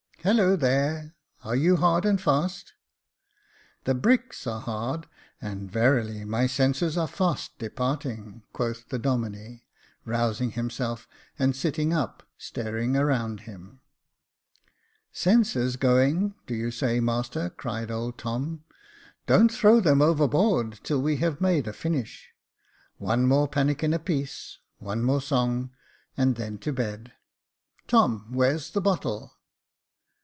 Hollo, there, are you hard and fast ?"" The bricks are hard, and verily my senses are fast departing," quoth the Domine, rousing himself, and sitting up, staring around him. Jacob Faithful 1 1 7 '* Senses going, do you say, master ?" cried old Tom. '* Don't throw them overboard till we have made a finish. One more pannikin apiece, one more song, and then to bed. Tom, Where's the bottle